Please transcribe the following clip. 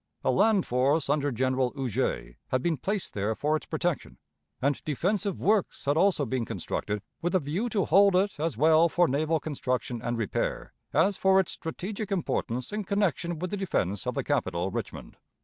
A land force under General Huger had been placed there for its protection, and defensive works had also been constructed with a view to hold it as well for naval construction and repair as for its strategic importance in connection with the defense of the capital, Richmond.